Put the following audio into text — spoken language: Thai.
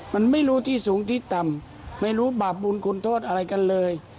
มันไม่รู้ที่สูงที่ต่ำไม่รู้บาปบุญคุณโทษอะไรกันเลย